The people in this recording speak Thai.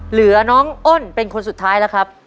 เหลือน้องอ้นเป็นคนสุดท้ายแล้วครับ